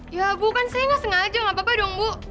ya bu kan saya nggak sengaja nggak apa apa dong bu